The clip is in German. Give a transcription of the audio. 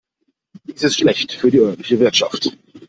Dies ist schlecht für die örtliche Wirtschaft.